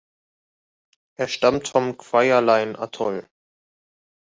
Er stammt vom Kwajalein-Atoll.